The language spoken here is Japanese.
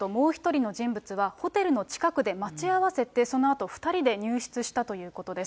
亡くなった浦さんともう１人の人物はホテルの近くで待ち合わせて、そのあと２人で入室したということです。